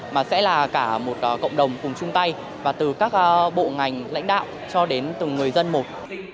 mà sẽ là cả một cộng đồng cùng chung tay và từ các bộ ngành lãnh đạo cho đến từng người dân một